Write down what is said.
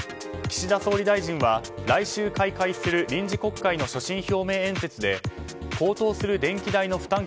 岸田総理大臣は来週開催する臨時国会の所信表明演説で高騰する電気代の負担